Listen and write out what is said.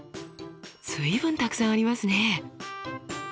随分たくさんありますね。